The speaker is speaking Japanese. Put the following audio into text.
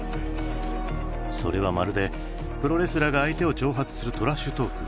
それはまるでプロレスラーが相手を挑発するトラッシュトーク。